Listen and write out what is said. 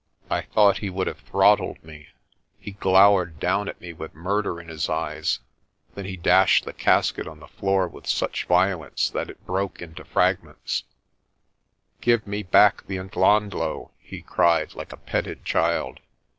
I thought he would have throttled me. He glowered down at me with murder in his eyes. Then he dashed the casket on the floor with such violence that it broke into fragments. INANDA'S KRAAL 197 "Give me back the Ndhlondhlo," he cried, like a petted child.